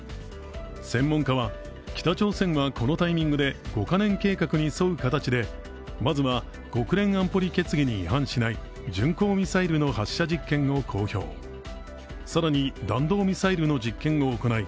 専門家は、北朝鮮はこのタイミングで５カ年計画に沿う形で、まずは国連安保理決議に違反しない巡航ミサイルの発射実験を公表。